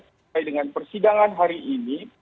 terkait dengan persidangan hari ini